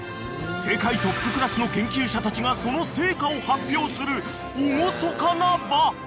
世界トップクラスの研究者たちがその成果を発表する厳かな場］